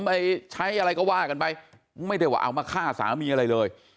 ไปใช้อะไรก็ว่ากันไปไม่ได้ว่าเอามาฆ่าสามีอะไรเลย